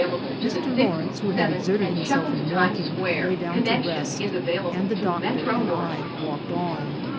Mr. Lawrence, who had exerted himself in walking, lay down to rest, and the doctor and I walked on.